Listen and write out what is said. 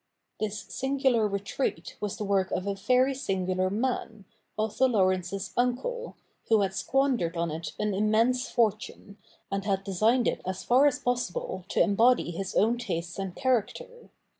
This singular retreat was the work of a very singular man, Otho Laurence's uncle, who had squandered on it an immense fortune, and had designed it as far as possible to embody his own tastes and character.